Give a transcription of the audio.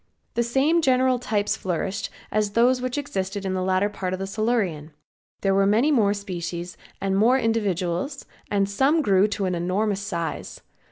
The same general types flourished as those which existed in the latter part of the Silurian. There were more species and more individuals and some grew to an enormous size.